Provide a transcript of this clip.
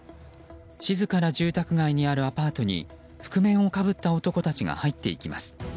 静かな住宅街にあるアパートに覆面をかぶった男たちが入っていきます。